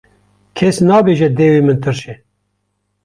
Kes nabêje dewê min tirş e.